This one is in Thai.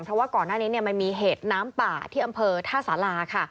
เพราะว่าก่อนหน้านี้มันมีเหตุน้ำป่าที่อำเภอท่าสาราค่ะ